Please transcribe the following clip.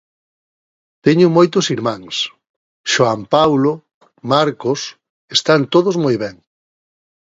Teño moitos irmáns, Xoán Paulo, Marcos..., están todos moi ben.